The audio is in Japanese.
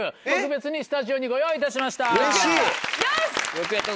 よくやった！